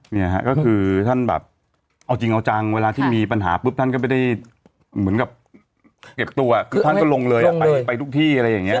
เนี่ยฮะก็คือท่านแบบเอาจริงเอาจังเวลาที่มีปัญหาปุ๊บท่านก็ไม่ได้เหมือนกับเก็บตัวคือท่านก็ลงเลยอ่ะไปทุกที่อะไรอย่างเงี้